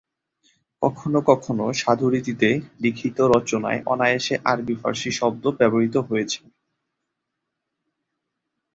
কখনো কখনো সাধু রীতিতে লিখিত রচনায় অনায়াসে আরবি-ফারসি শব্দ ব্যবহৃত হয়েছে।